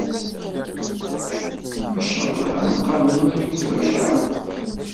Ncalleh ar qabel ma yufa-yaɣ-d.